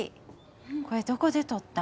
これどこで撮ったん？